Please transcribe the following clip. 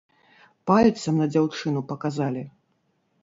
Пальцам на дзяўчыну паказалі.